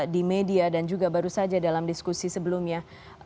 di media dan juga baru saja dalam diskusi sebelumnya